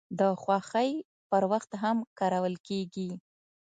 د خوښۍ پر وخت هم کارول کیږي.